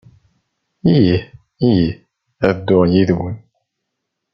Ih, ih, ad dduɣ yid-wen.